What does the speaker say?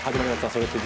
「それって！？